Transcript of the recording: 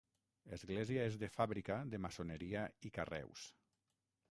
Església és de fàbrica de maçoneria i carreus.